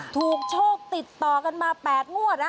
ถูกโชคติดต่อกันมาแปดงวดอ่ะ